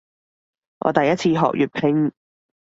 我第一次學粵拼